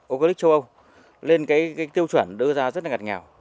ocalypse châu âu lên cái tiêu chuẩn đưa ra rất là ngặt ngào